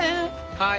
はい。